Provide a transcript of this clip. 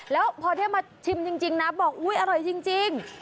แล้วพอได้มาชิมจริงนะบอกอุ๊ยอร่อยจริง